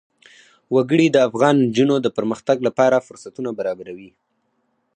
وګړي د افغان نجونو د پرمختګ لپاره فرصتونه برابروي.